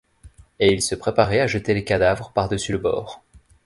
Et il se préparait à jeter les cadavres par dessus le bord.